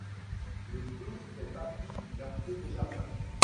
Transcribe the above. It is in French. Le clos fait partie du quartier des Jardins.